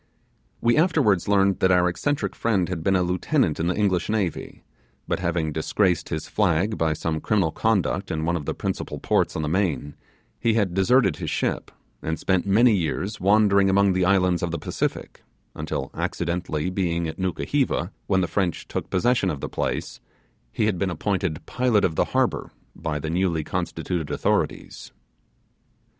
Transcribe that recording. We afterwards learned that our eccentric friend had been a lieutenant in the English navy; but having disgraced his flag by some criminal conduct in one of the principal ports on the main, he had deserted his ship, and spent many years wandering among the islands of the Pacific, until accidentally being at Nukuheva when the French took possession of the place, he had been appointed pilot of the harbour by the newly constituted authorities.